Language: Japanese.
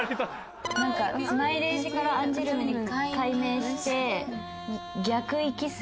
なんかスマイレージからアンジュルムに改名して。